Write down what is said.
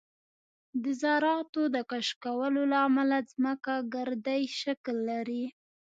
د ذراتو د کشکولو له امله ځمکه ګردی شکل لري